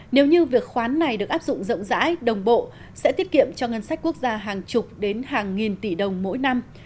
nếu như việc khoán này được áp dụng rộng rãi đồng bộ sẽ tiết kiệm cho ngân sách quốc gia hàng chục đến hàng nghìn tỷ đồng mỗi năm